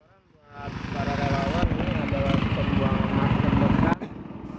pada hari ini para rawat ini adalah pembuangan masker bekas